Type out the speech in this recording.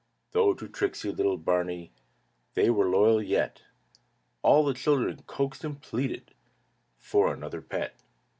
Though to tricksy little Barney They were loyal yet, All the children coaxed and pleaded For another pet.